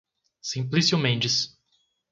Simplício Mendes